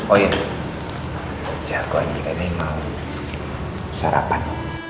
oh iya siar kualitas kita ini mau sarapan